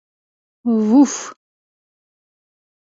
— Ву-уф!